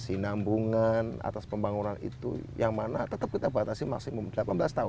kesinambungan atas pembangunan itu yang mana tetap kita batasi maksimum delapan belas tahun